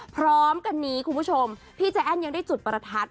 พร้อมกันนี้คุณผู้ชมพี่ใจแอ้นยังได้จุดประทัด